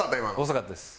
遅かったです。